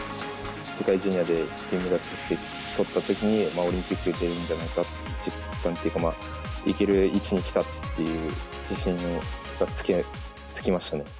世界ジュニアで銀メダルとったときに、オリンピックに出られるんじゃないかという実感というか、いける位置にきたっていう自信がつきましたね。